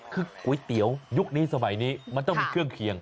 คือก๋วยเตี๋ยวยุคนี้สมัยนี้มันต้องมีเครื่องเคียง